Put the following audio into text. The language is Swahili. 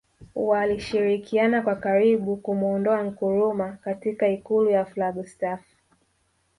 Walishirikiana kwa karibu kumuondoa Nkrumah katika ikulu ya Flagstaff